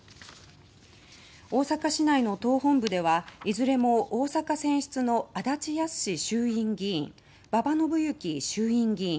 大阪市内の党本部ではいずれも大阪選出の足立康史衆院議員馬場伸幸衆院議員